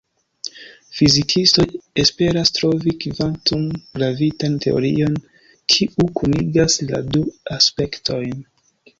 Fizikistoj esperas trovi kvantum-gravitan teorion, kiu kunigas la du aspektojn.